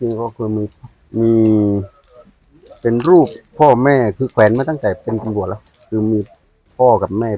มีส่วนการที่ออกมาปฏิบัติหน้าที่ในป่าตามราบแป้งอย่าง